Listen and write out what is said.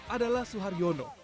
adalah suhar yono